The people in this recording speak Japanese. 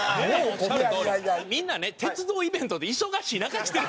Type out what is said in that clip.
みんなね鉄道イベントで忙しい中来てる。